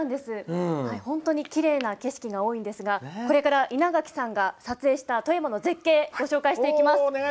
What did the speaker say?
本当にきれいな景色が多いんですがこれからイナガキさんが撮影した絶景をご紹介していきます。